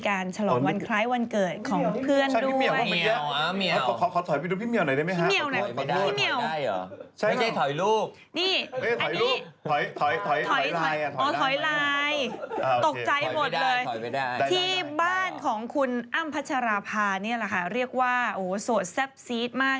ตกใจหมดเลยที่บ้านของคุณอ้ำพัชราภาเรียกว่าโสดแซ่บซีดมาก